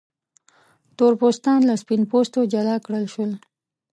تور پوستان له سپین پوستو جلا کړل شول.